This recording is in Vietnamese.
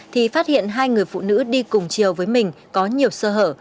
thì phát hiện hai người phụ nữ đi cùng chiều với mình có nhiều sơ hở